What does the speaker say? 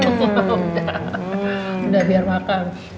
udah biar makan